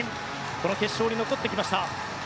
この決勝に残ってきました。